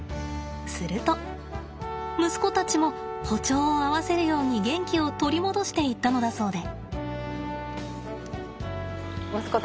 すると息子たちも歩調を合わせるように元気を取り戻していったのだそうで。